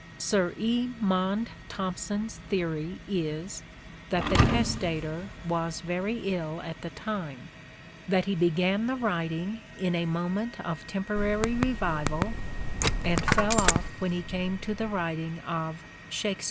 Sir E. Maunde Thompson's theory is that the testator was very ill at the time, that he began the writing in a moment of temporary revival and fell off when he came to the writing of " Shakspeare."